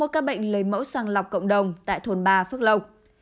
một ca bệnh lấy mẫu sàng lọc cộng đồng tại thôn ba phước lộc